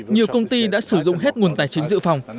nhiều công ty đã sử dụng hết nguồn tài chính dự phòng